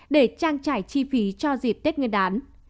để trang trải chi phí cho dịp tết nguyên đán